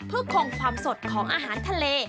เพื่อคงความสดของอาหารทะเล